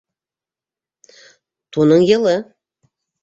Туның йылы.